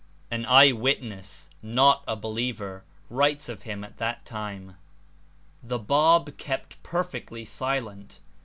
An eye witness, not a believer, writes of him at that time : "The Bab kept perfectly silent.